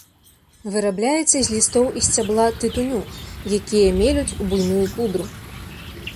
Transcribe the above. Вырабляецца з лістоў і сцябла тытуню, якія мелюць у буйную пудру.